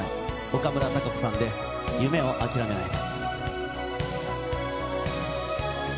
岡村孝子さんで、夢をあきらめないで。